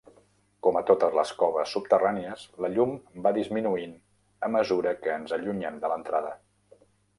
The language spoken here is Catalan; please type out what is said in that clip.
Com a totes les coves subterrànies, la llum va disminuint a mesura que ens allunyem de l'entrada.